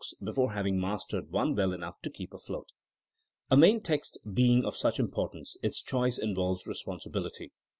s before having mastered one well enough to keep afloat. A main text being of such importance, its choice involves responsibility.